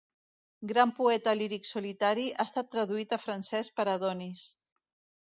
Gran poeta líric solitari, ha estat traduït a francès per Adonis.